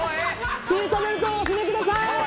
シートベルトをお締めください！